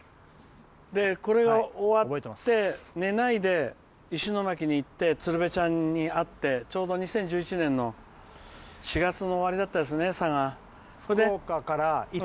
これが終わって、寝ないで石巻に行って鶴瓶ちゃんに会ってちょうど２０１１年の４月の終わりだったですね、佐賀。